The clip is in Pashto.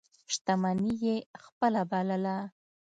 شتمني یې خپله بلله.